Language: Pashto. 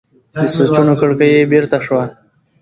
د سوچونو کړکۍ یې بېرته شوه.